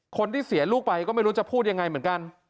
คนที่เสียลูกไปก็ไม่รู้จะพูดยังไงเหมือนกัน